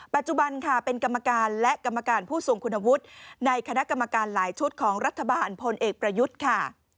ปัจจุบันค่ะเป็นกรรมการและกรรมการผู้ทรงคุณวุฒิในคณะกรรมการหลายชุดของรัฐบาลพลเอกประยุทธ์ค่ะ